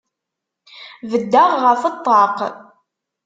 Beddeɣ ɣef ṭṭaq.